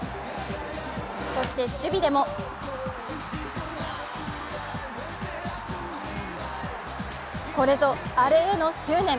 そして守備でもこれぞアレへの執念。